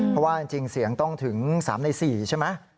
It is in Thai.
เพราะว่าจริงเสียงต้องถึง๓ใน๔ใช่ไหม